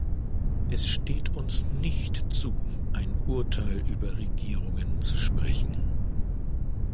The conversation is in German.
Es steht uns nicht zu, ein Urteil über Regierungen sprechen.